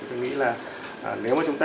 tôi nghĩ là nếu mà chúng ta